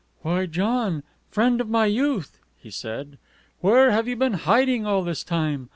"Why, John, friend of my youth," he said, "where have you been hiding all this time?